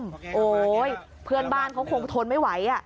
โอ้โหเพื่อนบ้านเขาคงทนไม่ไหว